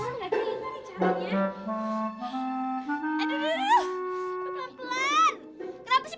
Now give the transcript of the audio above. lagi ini caranya